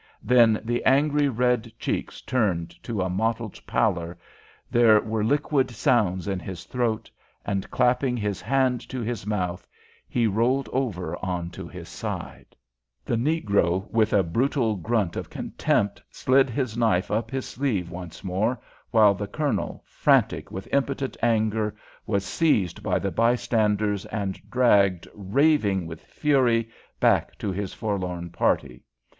Then the angry red cheeks turned to a mottled pallor, there were liquid sounds in his throat, and, clapping his hand to his mouth, he rolled over on to his side. [Illustration: He rolled over on to his side p130] The negro, with a brutal grunt of contempt, slid his knife up his sleeve once more, while the Colonel, frantic with impotent anger, was seized by the bystanders, and dragged, raving with fury, back to his forlorn party.